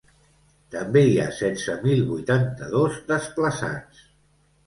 També hi ha setze mil vuitanta-dos desplaçats.